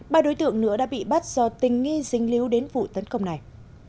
ba đối tượng nữa đã bị bắt do tình nghi dính líu đến vụ tấn công này